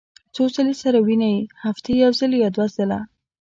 څو ځله سره وینئ؟ هفتې یوځل یا دوه ځله